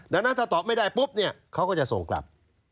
ดังนั้นถ้าตอบไม่ได้ปุ๊บเนี่ยเขาก็จะส่งกลับ